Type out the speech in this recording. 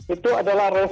itu adalah respon